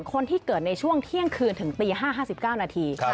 คนที่เกิดในช่วงเที่ยงคืนถึงตี๕๕๙นาที